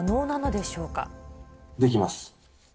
できます。